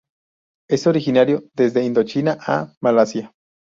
Es originario desde Indochina a Malasia.